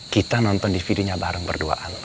kita nonton dvd nya bareng berduaan